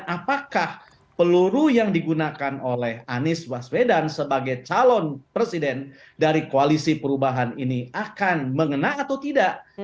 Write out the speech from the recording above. apakah peluru yang digunakan oleh anies baswedan sebagai calon presiden dari koalisi perubahan ini akan mengena atau tidak